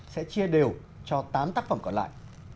sẽ chia đều cho tám tác phẩm còn lại